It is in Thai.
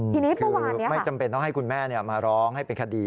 ทีนี้เมื่อวานนี้ค่ะคือไม่จำเป็นให้คุณแม่นี่มาร้องให้เป็นคดี